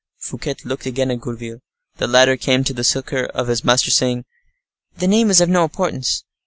Fouquet looked again at Gourville. The latter came to the succor of his master, saying, ["The name is of no importance."